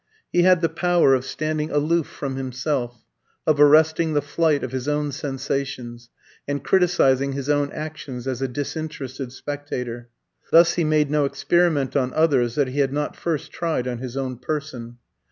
He had the power of standing aloof from himself, of arresting the flight of his own sensations, and criticising his own actions as a disinterested spectator. Thus he made no experiment on others that he had not first tried on his own person.